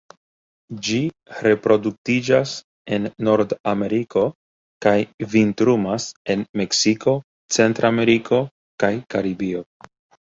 Ĝi reproduktiĝas en Nordameriko kaj vintrumas en Meksiko, Centrameriko kaj Karibio.